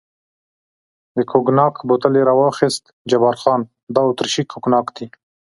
د کوګناک بوتل یې را واخیست، جبار خان: دا اتریشي کوګناک دی.